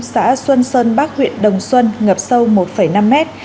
xã xuân sơn bắc huyện đồng xuân ngập sâu một năm mét